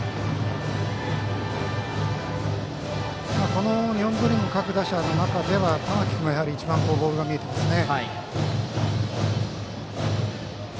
この日本文理の各打者の中では玉木君が一番ボールが見えていますね。